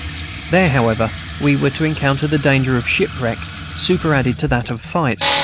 There, however, we were to encounter the danger of shipwreck, superadded to that of fight.